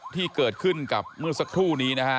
ที่เกิดขึ้นกับเมื่อสักครู่นี้นะฮะ